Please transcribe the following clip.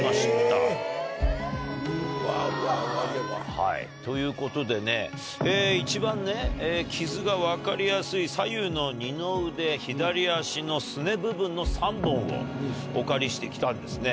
・うわうわ・はいということでね一番傷が分かりやすい左右の二の腕左足のすね部分の３本をお借りしてきたんですね。